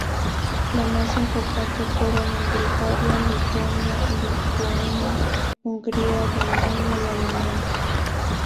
Los más importantes fueron en Bulgaria, Letonia, Lituania, Hungría, Rumania y Alemania.